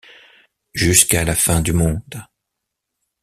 Jusqu’à la fin du monde.